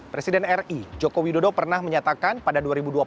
presiden ri joko widodo pernah menyatakan pada dua ribu dua puluh